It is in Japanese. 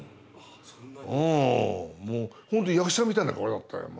ほんとに役者みたいな顔だったよ